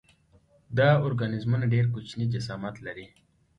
دا ارګانیزمونه ډېر کوچنی جسامت لري.